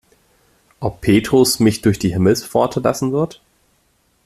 Ob Petrus mich durch die Himmelspforte lassen wird?